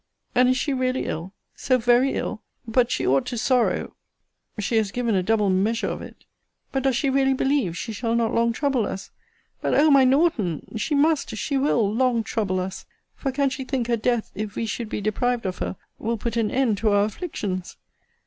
And is she really ill? so very ill? But she ought to sorrow she has given a double measure of it. But does she really believe she shall not long trouble us? But, O my Norton! She must, she will, long trouble us For can she think her death, if we should be deprived of her, will put an end to our afflictions?